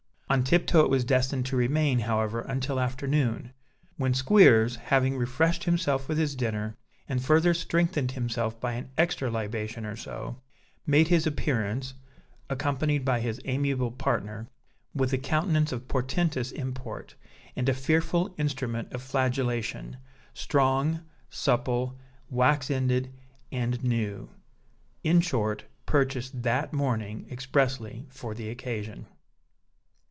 On tiptoe it was destined to remain, however, until afternoon; when Squeers, having refreshed himself with his dinner and further strengthened himself by an extra libation or so, made his appearance (accompanied by his amiable partner) with a countenance of portentous import, and a fearful instrument of flagellation, strong, supple, wax ended, and new in short, purchased that morning expressly for the occasion.